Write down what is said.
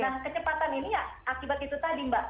nah kecepatan ini ya akibat itu tadi mbak